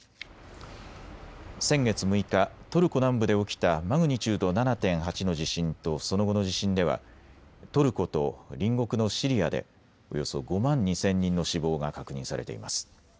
先月６日、トルコ南部で起きたマグニチュード７．８の地震とその後の地震ではトルコと隣国のシリアでおよそ５万２０００人の死亡が確認されています。